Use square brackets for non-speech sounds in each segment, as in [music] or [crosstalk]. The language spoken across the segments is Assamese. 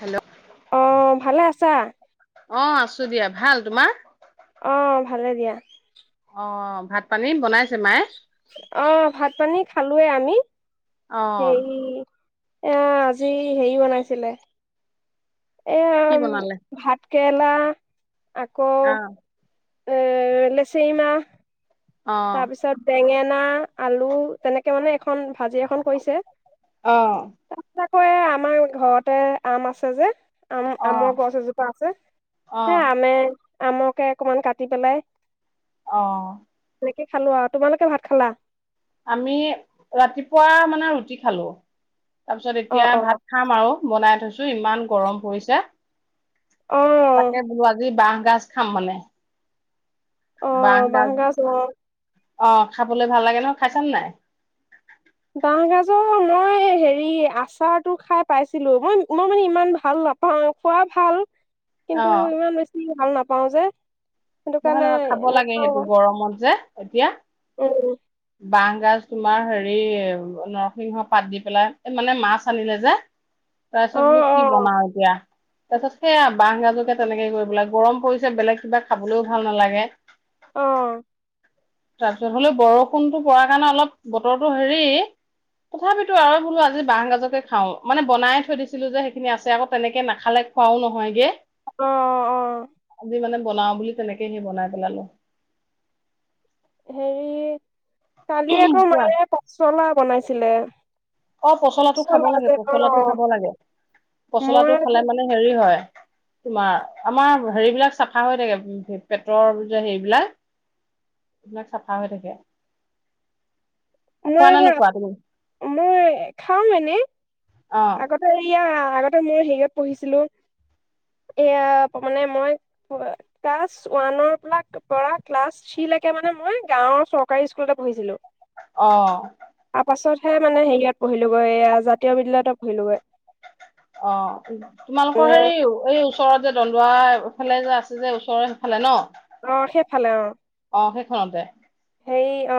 হেল্ল'। অ', ভালে আছা? অ আছো দিয়া ভাল, তোমাৰ? অ', ভালে দিয়া। অ', ভাত পানী বনাইছে মায়ে? অ', ভাত পানী খালোয়ে আমি। অ হেৰী এ আজি হেৰি বনাইছিলে। এ কি বনালে ভাত। কেৰেলা আকৌ অ উম [unintelligible] অ তাৰপিছত বেঙেন না আলু তেনেকে মানে এ- খন-ভাজি এখন কৰিছে। অ [unintelligible] এ আমাৰ ঘৰতে আম আছে যে অ আম-আমৰ গছ এজোপা আছে। অ হে আমে আমকে অকমান কাটি পেলাই অ তেনেকে খালো আৰু, তোমালোকে ভাত খালা? আমি ৰাতিপুৱা মানে ৰুটি খালো। তাৰ পিছত অ এতিয়া অ ভাত খাম আৰু বনাই থৈছো। ইমান গৰম পৰিছে। অ তাকে বোল আজি বা গাজ খাম মানে। অ', বাঁহ গাজ ন? অ খাবলৈ ভাল লাগে নহ খাইচা নে নাই ডাঙৰ গাজৰ মই হেৰি আচাৰটো খাই পাইছিলো মই মই মানে ইমান ভাল নাপাওঁ খোৱা ভাল অ কিন্তু ইমান বেছি ভাল নাপায় পাওঁ যে সেইটো নহয় কাৰণে নহয় খাব লাগে নেখাও সেইটো গৰমত যে এতিয়া উম বাঙ গাছ তোমাৰ হেৰি নৰসিংহ পাত দি পেলাই মানে মাছ আনিলে যে অ তাৰপিছত বোলো অ কি বনাও এতিয়া তাৰ পিছত সেয়া বাহ গাজুতে তেনেকে কৰিব বলে গৰম পৰিছে বেলেগ কিবা খাবলৈও ভাল নালাগে অ তাৰপিছত হলেও বৰষুণতো প কাৰণে অলপ বতৰটো হেৰি তথাপিতো আৰু বোলো আজি বাহ গাজকে খাও মানে বনাই থৈ দিছিলো যে সেইখিনি আছে আকৌ তেনেকে নাখালে খুৱও নহয়গে অ অ আজি মানে বনাও বুলি তেনেকে সেই বনাই পেলালো হেৰি কালি আকৌ কোৱা মাৰে পচলা বনাইছিলে অ পচলাটো খাব পচলা লাগে যে অ পচলাটো খাব লাগে মই পচলাটো খালে মানে হেৰি হয় তোমাৰ আমাৰ হেৰিবিলাক চাফা হৈ থাকে পেটৰ যে হেৰিবিলাক এইবিলাক চাফা হৈ থাকে খোৱা নে মইব নোখোৱা তুমি মই খাও মানে অ', আগতে এয়া আগতে মই হেৰিত পঢ়িছিলো এয়া মানে মই ক্লাছ ওৱানৰ পৰা পৰা ক্লাছ থ্ৰীলৈকে মানে মই গাঁৱৰ চৰকাৰী স্কুলতে পঢ়িছিলো অ তাৰ পাছতহে মানে হেৰিয়াত পঢ়িলোগৈ জাতীয় বিদ্যালয়ত পঢ়িলোগৈ অ তোমালোকৰ মানে হেৰি এই ওচৰত যে দন্দোৱা এইফালে যে আছে যে ওচৰৰ সেইফালে ন অ সেইফালে অ অ সেইখনতে সেই অ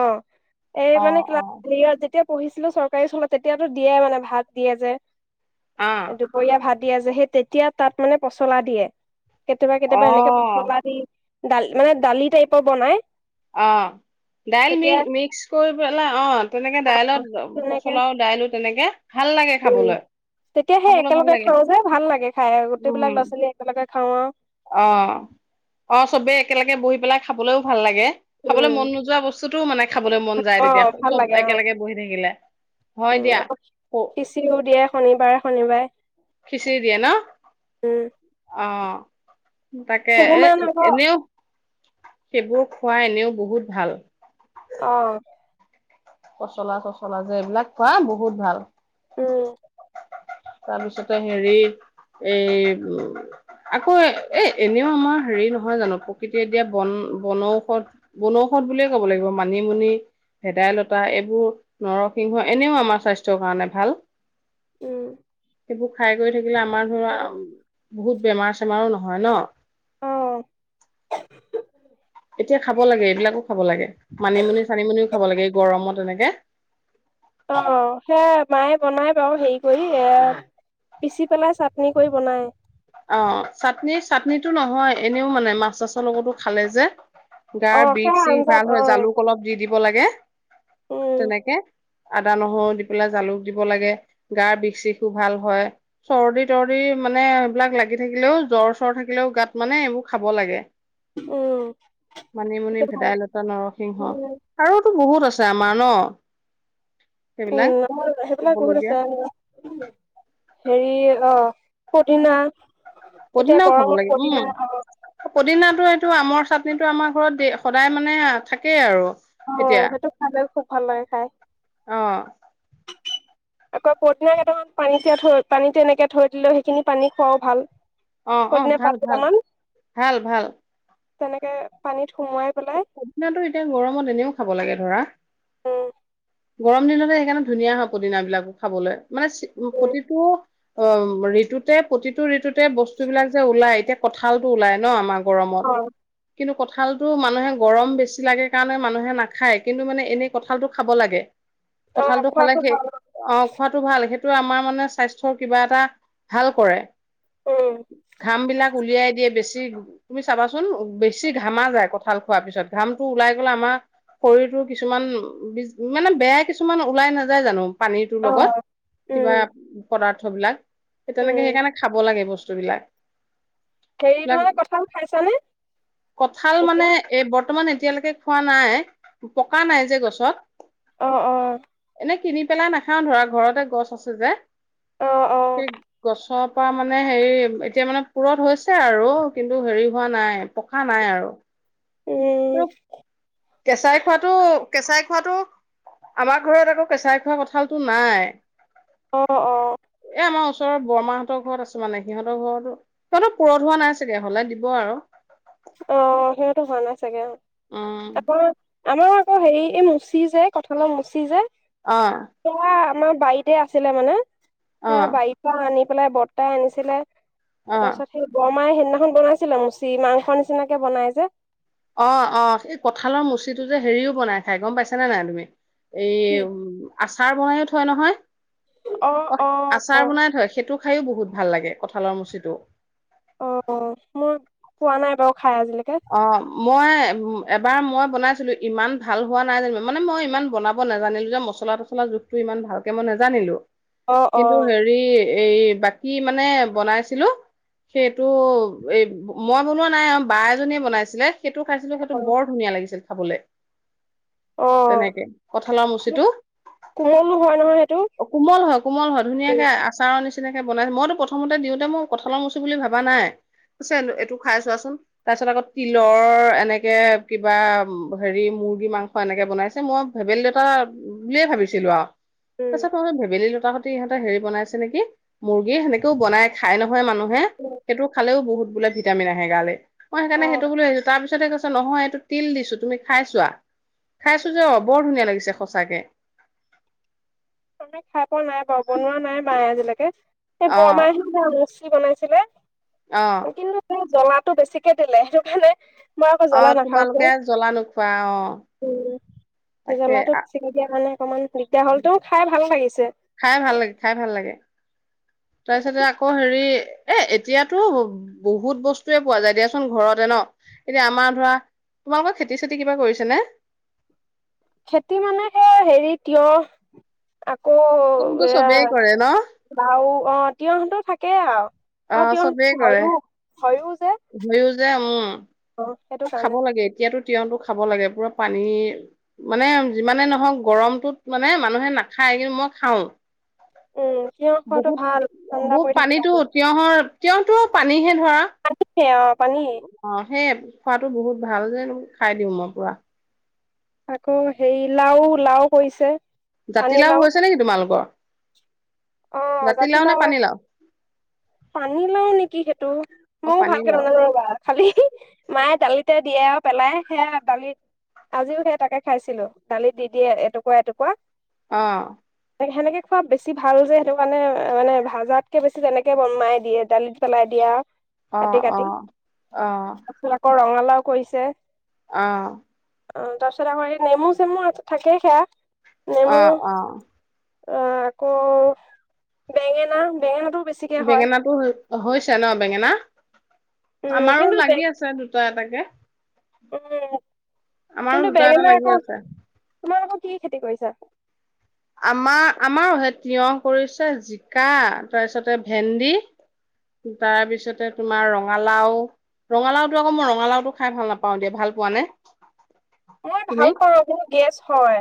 এই অ', মানে কা অ', যেতিয়া পঢ়িছিলো চৰকাৰী স্কুলত তেতিয়াতো দিয়ে মানে ভাত দিয়ে যে অ', দুপৰীয়া ভাত দিয়া যে সেই তেতিয়া তাত মানে পচলা দিয়ে কেতিয়াবা কেতিয়াবা এনেকে অ', পচলা দি দাল মানে দালি টাইপৰ বনাই অ দাইল মি তেতিয়া মিক্স কৰি পেলাই অ তেনেকে দাইলত তেনেকে পচলাও দাইলো তেনেকে ভাল লাগে উম খাবলৈ, তেতিয়া সেই খাবলৈ ভাল একেলগে লাগে খাও যে ভাল লাগে খাই উম, গোটেইবিলাক ল'ৰা ছোৱালী একেলগে [unintelligible] অ', অ', চবেই একেলগে বহি পেলাই খাবলৈও ভাল লাগে খাবলৈ উম। মন নোযোৱা বস্তুতটোও মানে খাবলৈ মন যায় অ তেতিয়া ভাল চব লাগে অ একেলগে বহি থাকিলে হয় উম দিয়া আকৌ খিচিৰিও দিয়ে শনিবাৰে শনিবাৰে খিচিৰি দিয়ে ন উম। অ তাকে এ কেইদিনমান আকৌ এনেও সেইবোৰ খোৱা এনেও বহুত ভাল অ পচলা চচলা যে এইবিলাক খোৱা বহুত ভাল উম তাৰপিছতে হেৰি এই আকৌ এ এনেও আমাৰ হেৰি নহয় জানো, প্ৰকৃতিয়ে দিয়া বন বনৌষধ বনৌষধ বুলিয়ে ক'ব লাগিব মানিমুনি ভেদাইলতা বা এইবোৰ নৰসিংহ এনেও আমাৰ স্বাস্থ্যৰ কাৰণে ভাল উম সেইবোৰ খাই গৈ [unintelligible] এইবিলাক আমাৰ ঘৰৰ আম বহুত বেমাৰ চেমাৰো নহয় ন অ' এতিয়া খাব লাগে এইবিলাকো খাব লাগে মানিমুনি চানিমুনি খাব লাগে এই গৰমত এনেকে অ সেয়ে মায়ে বনাই বাৰু হেৰি কৰি এ পিচি পেলাই চাটনি কৰি বনাই অ চাটনি চাটনটো নহয় এনেও মানে মাছ চাছৰ লগতো খালে যে অ গাৰ বিষ সেয়া চিষ আঞ্জা ভাল অ হয় জালুক অলপ দি [unintelligible] উম তেনেকে আদা নহৰু দি পেলাই জালুক দিব লাগে গাৰ বিষ চিষো ভাল হয় চৰ্দি তৰ্দি মানে বিলাক লাগি থাকিলেও জ্বৰ চৰ থাকিলেও গাত মানে এইবোৰ খাব লাগে। উম মানিমুনি, তেতিয়া ভাল ভেদাইলতা, নৰসিংহ আৰুতো বহুত আছে। চামান। [unintelligible] হেৰি অ' পদিনা। এতিয়া পদিনাও খাব গৰমত লাগে উম পদিনা অ পদিনা এইটো আমৰ চাটনিটো আমাৰ ঘৰত যে সদায় মানে থাকেই আৰু এতিয়া অ' সেইটো খালে খুব ভাল লাগে খাই। অ আকৌ পদিনা কেইটামান পানীতে থৈ পানীতে এনেকে থৈ দিলেও সেইখিনি পানী খুৱাও ভাল। অ' অ পদিনা ভাল পাত ভাল কেইটামান ভাল ভাল। তেনেকে পানীত সুমুৱাই পেলাই পদিনাটো এতিয়া গৰমত এনেও খাব লাগে। ধৰা। উম, গৰম দিনতে সেইকাৰণে ধুনীয়া হয় পদিনা বিলাক খাবলৈ। মানে উম, প্ৰতিটো অ, ঋতুতে প্ৰতিটো ঋতুতে বস্তু বিলাক যে ওলাই এতিয়া কঁঠালটো ওলাই ন আমাৰ। গৰমত অ', কিন্তু কঁঠাল মানুহে গৰম বেছি লাগে কাৰণে মানুহে নাখায়, কিন্তু মানে এনেই কঁঠালটো খাব লাগে। অ', কঁঠালতটো খালে খোৱাটো সেই, ভাল অ। খোৱাটো ভাল, সেইটো আমাৰ মানে স্বাস্থ্যৰ কিবা এটা ভাল কৰে। উম, ঘাম বিলাক উলিয়াই দিয়ে বেছি, তুমি চাবাচোন বেছি ঘামা যায়। কঠাল খোৱা পিছত ঘামটো ওলাই গলে আমাৰ শৰীৰটো কিছুমান, মানে বেয়া কিছুমান ওলাই নাযায় জানো। পানীটোৰ লগত অ', উম, কিবা পদাৰ্থ [unintelligible] তেতিয়ালৈকে উম। সেইকাৰণে খাব লাগে বস্তু। বস্তুবিলাক হেৰিতো বিলাক মানে কঁঠাল খাইছানে এতিয়া। এ, বৰ্তমান এতিয়ালৈকে খোৱা নাই পকা নাই যে গছত। অ, অ। মানে কিনি পেলাই নাখাও ধৰা, ঘৰতে গছ আছে যে। অ', অ', সেই গছত পৰা মানে হেৰি, এতিয়া মানে পুৰঠ হৈছে আৰু কিন্তু হেৰি হোৱা নাই পকা নাই আৰু। উম, কেঁচাই খোৱাতটো কেঁচাই খোৱাটো আমাৰ ঘৰত আকৌ কেঁচাই খোৱা কঁঠালতটো নাই। অ, অ এ, বৰ্মাহঁতৰ ঘৰত আছে মানে সিহঁতৰ ঘৰতো, সিহঁতৰ পুৰঠ হোৱা নাই চাগে হলে দিব আৰু। অ', সিহঁতো হোৱা নাই চাগে অ'। উম আকৌ আমাৰ আকৌ হেৰি, এই মুচি যে কঁঠলৰ মুচি যে। অ সেয়া আমাৰ বাৰীতে আছিলে মানে। অ সেয়া বাৰি পৰা আনিম। বৰতায়ে আনিছিলে। অ তাৰপাছত সেই বৰমাই সে সেইদিনাখন বনাইছিলা মুচি মাংস বনাই যে অ, অ সেই কঁঠালৰ মুচিটো যে হেৰিও বনাই খাই গম পাইছা নে নাই তুমি? এই, উম আচাৰ বনাইও থয় নহয়। অ আচাৰ বনাই থয়, সেইটো খাইয়ো বহুত ভাল লাগে কঁঠালৰ মুচিটো। অ' মই পোৱা নাই বাৰু, খাই আজিলৈকে অ' মই এবাৰ মই বনাইছিলো, ইমান ভাল হোৱা নাই জানো মানে মই ইমান বনাব নোজানিলো যে মছলা তছলা জোখটো ইমান ভালকে মই নেজানিলো, অ অ কিন্তু, হেৰি এই বাকী মানে বনাইছিলো, সেইটো এই মই বনোৱা নাই আৰু বাই জনীয়ে বনাইছিলে। সেইটো খাইছিলো, সেইটো অ বৰ ধুনীয়া লাগিছিল। খাবলৈ, অ তেনেকে কঠালৰ মুচিটো, কোমলো হয় নহয় সেইটো কোমল হয় কোমল হয় ধুনীয়াকে আচাৰৰ নিচিনা যেনেকে বনাইছে, মইতো প্ৰথমতে দিওঁতে মই কঁঠালৰ মুচি বুলি ভাবা নাই, পছে এইটো খাই চোৱাচোন তাৰপিছত আকৌ তিলৰ এনেকৈ কিবা হেৰি মুৰ্গী মাংস এনেকৈ বনাইছে, মই ভেবেলী লতা বুলিয়ে ভাবিছিলোঁ আৰু, উম তাৰপাছত মই ভেবেলী লতা ইহঁতে হেৰি বনাইছে নেকি? মুৰ্গী সেনেকও বনাই খাই নহয়, হয়। মানুহে সেইটো খালেও বহুত বোলে ভিটামিন আহে গালে। মই অ সেইকাৰণ সেইটো বুলো তাৰপছতে ক নহয় এইটো তিল দিছো, তুমি খাইছোৱা। খাইছো যে অ' বৰ ধুনীয়া লাগিছে সচাকে। মই খাই পোৱা নাই বাৰু বনোৱা নাই মাই আজিলৈকে। সেই অ বৰ মাইহে [unintelligible] কি বনাইছিলে? অ কিন্তু জ্বলাটো বেছিকে দিলে, সেইটো কাৰনে মই আকৌ অ জ্বলা নাখাও যে, তোমালোকে জ্বলা নোখোৱা অ ও' তাকে জ্বলাটো আ- চিঙি দিয়া কাৰণে অকমান দিগদাৰ হলতো। খাই ভাল লাগিছে। খাই ভাল লাগে, খাই ভাল লাগে, তাৰপিছতে আকৌ হেৰি, এ' এতিয়াতো বহুত বস্তুৱয়ে পোৱা যায় দিয়াচোন ঘৰতে ন, এতিয়া আমাৰ ধৰা তোমালোকৰ খেতি চেতি কিবা কৰিছে নে? খেতি মানে সে হেৰি তি'য়হ, আকৌ কিন্তু এয়া চবেই কৰে ন বাও অ' তিয়হতো থাকে [unintelligible] অ' চবেই কৰে যে হয়ও যে, উম অ সেইটো খাব কাৰণে লাগে এতিয়াতো তিয়হতো খাব লাগে পুৰা পানী মানে যিমানে নহওক গৰমটোত মানে মানুহে নাখায়। কিন্তু মই খাওঁ। উম, তি'য়হ খোৱাত বহুত ভাল, ঠাণ্ডা পৰি থাকে গাটো। টিয়হতো পানীহে।। হা আ। সেয়া অ।। পানী।। সেয়ে খোৱাতো বহুত ভাল যে, খাই দিওঁ মই পুৰা। আকৌ হেৰি লাওঁ লাওঁ কৰিছে। জাতিলাও পানীলাও হৈছে নেকি? তোমালোকৰ অ নে জাতিলাও পানীলাও পানী লাও নেকি সেইটো অ ময়ো ভালকে পানীলাও নাজানো ৰবা খালি মায়ে দালিতে।। দিয়ে আৰু পেলাই সেয়া দালিত। আজিও সেই তাকে খাইছিলো। দালিত দি দিয়ে এটুকুৱা এটুকুৱা।। অ। হেনেকে খোৱা বেছি ভাল। ভাল যে সেইটো কাৰণে মানে ভাজাতকে বেছি তেনেকে মায়ে দিয়ে। দালিত পেলাই দিয়া আ।। অ কাটি অ কাটি অ তাৰ পিছত আকৌ ৰঙা।। লাও কৰিছে।। আহ। অ তাৰপিছত আকৌ এই নেমু চেমু থাকেই সেয়া। নেমু আহ আহ। অ। আকৌ বেঙেনা বেঙেনাটো।। বেঙেনাটো হ'য় অ হৈছে ন বেঙেনা? উম আমাৰো লাগি আছে দুটা।। দুটা এটাকে।। অ [inaudible] [unintelligible] আমাৰো দুটা এটা লাগি আছে। তোমালোকৰ কি খেতি কৰিছা? আমাৰ আমাৰো সেই তিয়হ কৰিছে জিকা আমাৰ আমাৰো সেই তিয়হ কৰিছে জিকা তাৰপিছতে ভেন্দি তাৰপিছতে তোমাৰ ৰঙালাও। ৰঙালাওটো আকৌ মই ৰঙালাওটো খাই ভাল নাপাওঁ দেই, ভাল পোৱা নে? মই তুমি ভাল পাওঁ মোৰ গেছ হয়।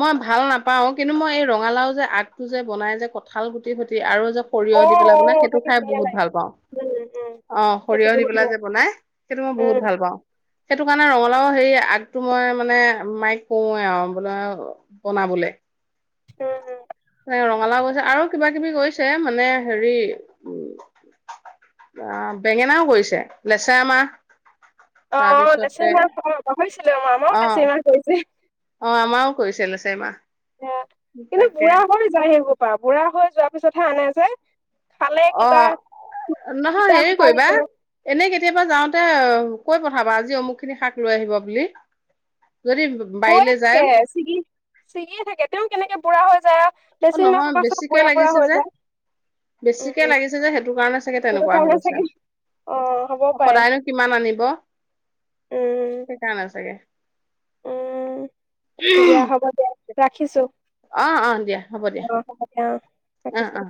মই ভাল নাপাওঁ। কিন্তু মই এই ৰঙালাও যে আগটো যে বনাই যে কঁঠাল গুটি সৈটি আৰু যে।। অ সৰিয়হ দি পেলাই বনাই অ সেইটো খাই ধুনীয়া বহুত লাগে ভাল পাওঁ। উম উম অ সেইটো সৰিয়হ দি বহুত পেলাই ধুনীয়া যে বনাই সেইটো মই বহুত উম ভাল পাওঁ। সেইটো কাৰণে ৰঙা।। অ সেই আগটো মই মানে মাইক কওঁৱে আৰু বোলে।। বনাবলে।। উম উম নে ৰঙালাও গজিছে আৰু কিবা কিবি গজিছে। মানে হেৰি উ আহ বেঙেনাও গজিছে লেচেৰা মাহ।। অ তাৰপিছতে লেচেৰি মাহ কব পাহৰিছিলোয়ে ৰবা আমাৰো অ লেচেৰি মাহ কৰিছে। অ আমাৰো কৰিছে লেচেৰি মাহ।। সেইয়া কিন্তু তাকে বুঢ়া হৈ যায় সেইবোৰ।। বুঢ়া হৈ যোৱা পিছতহে আনে যে খালে অ কিবা নহয় সিতা হেৰি খোপাৰ কৰিবা নিচিনা এনে কেতিয়াবা যাওঁতে কৈ পঠাবা আজি অমুক খিনি শাক লৈ আহিব বুলি যদি গৈ বাৰীলে যায় থাকে ছিগি ছিগি থাকে তেওঁ কেনেকৈ বুঢ়া হয় অ নহয় বেছিকে লাগিছে যে যায় বেছিকে উম লাগিছে যে সেইটো কাৰণে চাগে সেইটো তেনেকুৱা হৈ কাৰণে গৈছে। চাগে অ হ'ব পাৰে সদায় নো কিমান আনিব উম সেই কাৰণে ছাগে উম দিয়া হ'ব দিয়া ৰাখিছো অ অ দিয়া হ'ব অ দিয়া হ'ব অ [unintelligible] অ অ